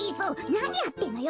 なにやってんのよ。